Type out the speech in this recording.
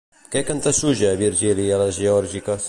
Què cantusseja Virgili a Les Geòrgiques?